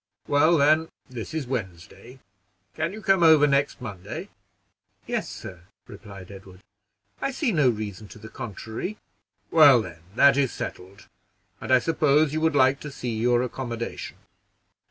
Well, then, this is Wednesday; can you come over next Monday?" "Yes, sir," replied Edward; "I see no reason to the contrary." "Well, then, that is settled, and I suppose you would like to see your accommodation.